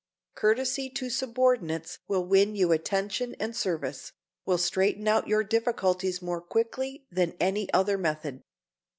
Courtesy to subordinates will win you attention and service, will straighten out your difficulties more quickly than any other method.